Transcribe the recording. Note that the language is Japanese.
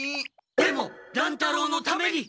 でも乱太郎のために！